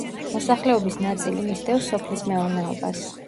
მოსახლეობის ნაწილი მისდევს სოფლის მეურნეობას.